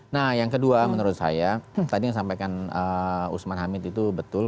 nah yang kedua menurut saya tadi yang disampaikan usman hamid itu betul